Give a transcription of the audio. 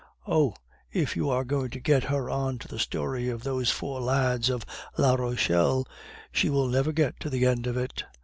"Oh, if you are going to get her on to the story of those four lads of La Rochelle, she will never get to the end of it.